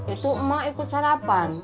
itu emang ikut sarapan